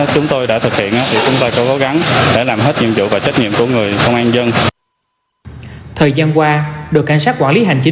chúng tôi đã triển khai việc hỗ trợ việc đưa đón người dân đến để làm căn cước